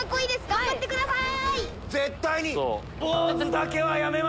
頑張ってください！